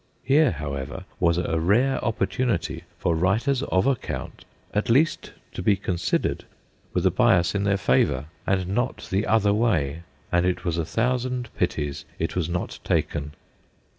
Here, however, was a rare oppor tunity for writers of account at least to be considered with a bias in their favour, and not the other way, and it was a thousand THE POOR STAGE 101 pities it was not taken.